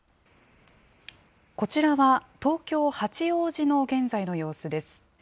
こちらは東京・八王子の現在の様子です。